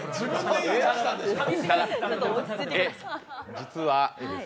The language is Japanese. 実は。